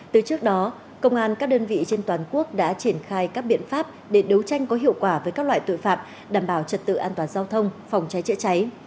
từ trước đó công an các đơn vị trên toàn quốc đã triển khai các biện pháp để đấu tranh có hiệu quả với các loại tội phạm đảm bảo trật tự an toàn giao thông phòng cháy chữa cháy